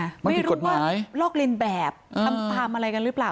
ไม่รู้ว่ามันผิดกฎหมายลอกลินแบบเอิ่มทำอะไรกันหรือเปล่า